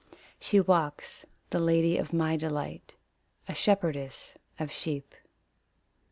She walks the lady of my delight A shepherdess of sheep.